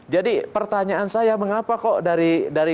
jadi pertanyaan saya mengapa kok dari